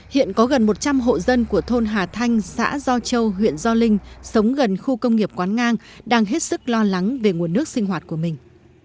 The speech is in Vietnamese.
hiện có gần một trăm linh hộ dân của thôn hà thanh xã do châu huyện do linh sống gần khu công nghiệp quán ngang đang hết sức lo lắng về nguồn nước sinh hoạt của mình